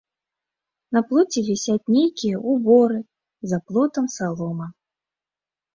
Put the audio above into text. На плоце вісяць нейкія ўборы, за плотам салома.